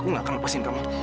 aku nggak akan lepasin kamu